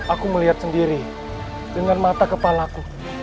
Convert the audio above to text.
aku melihat sendiri dengan mata kepalaku